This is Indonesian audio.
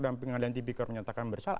dan pengadilan tpkor menyatakan bersalah